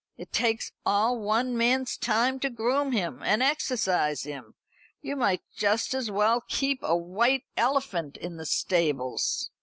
It takes all one man's time to groom him and exercise him. You might just as well keep a white elephant in the stables."